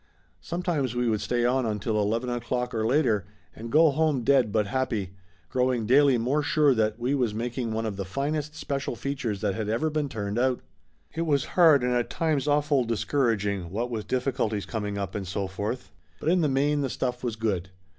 Sometimes we would stay on until eleven o'clock or later, and go home dead but happy, growing daily more sure that we was making one of the finest special features that had ever been turned out. It was hard, and at times awful discouraging, what with difficulties coming up and so forth. But in the main the stuff was good.